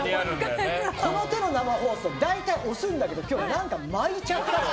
この手の生放送大体、押すんだけど今日なんか巻いちゃった。